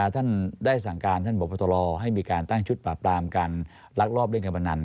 ท่านได้สั่งการท่านบพตรให้มีการตั้งชุดปราบปรามการลักลอบเล่นการพนัน